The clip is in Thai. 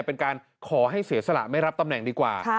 เป็นการขอให้เสียสละไม่รับตำแหน่งดีกว่า